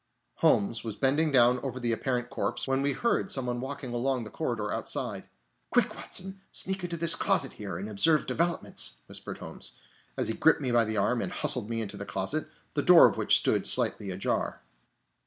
Holmes was bending down over the apparent corpse, when we heard some one walking along the corridor outside. "Quick, Watson, sneak into this closet here, and observe developments!" whispered Holmes, as he gripped me by the arm, and hustled me into the closet, the door of which stood slightly ajar.